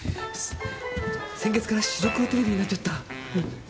先月から白黒テレビになっちゃった。